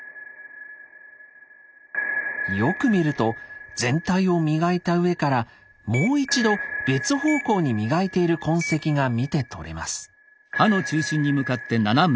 よく見ると全体を磨いた上からもう一度別方向に磨いている痕跡が見て取れます。